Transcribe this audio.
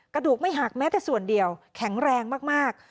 กระดูกไม่หักแม้แต่ส่วนเดียวแข็งแรงมาก